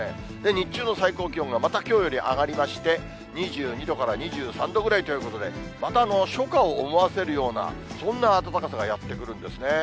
日中の最高気温が、またきょうより上がりまして、２２度から２３度ぐらいということで、また初夏を思わせるような、そんな暖かさがやって来るんですね。